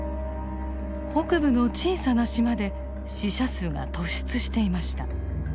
北部の小さな島で死者数が突出していました。